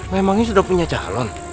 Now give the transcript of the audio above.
memangnya sudah punya calon